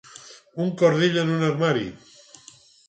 Un cordill en un armari!